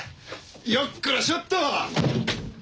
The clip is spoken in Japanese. よっこらしょっと。